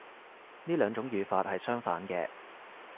呢兩種語法係相反嘅